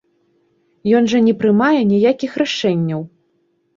Ён жа не прымае ніякіх рашэнняў!